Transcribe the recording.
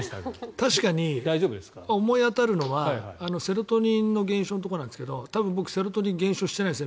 確かに思い当たるのはセロトニンの減少のところなんですが僕、セロトニン減少してないですね。